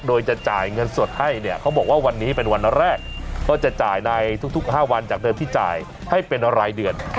โดยจะจ่ายเงินสดให้เนี่ยเขาบอกว่าวันนี้เป็นวันแรกก็จะจ่ายในทุก๕วันจากเดิมที่จ่ายให้เป็นรายเดือน